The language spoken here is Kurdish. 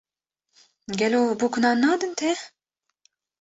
Gelo bûk nan nadin te